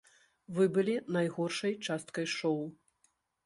Вы былі найгоршай часткай шоу.